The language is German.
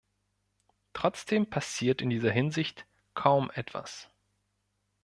Trotzdem passiert in dieser Hinsicht kaum etwas.